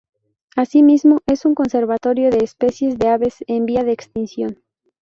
Así mismo es un conservatorio de especies de aves en vía de extinción.